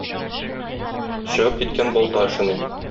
Чыгып киткән балта эшенә.